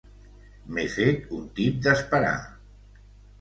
M'he fet un tip d'esperar.